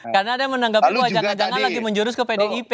karena ada yang menanggapi bahwa jangan jangan lagi menjurus ke pdip